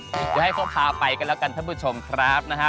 เดี๋ยวให้เขาพาไปกันแล้วกันท่านผู้ชมครับนะฮะ